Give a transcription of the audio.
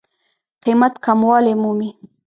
قېمت کموالی مومي.